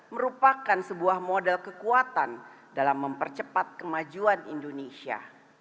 merupakan sebuah model kekuatan dalam mempercepat kemajuan indonesia